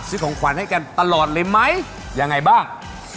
ของขวัญให้กันตลอดเลยไหมยังไงบ้าง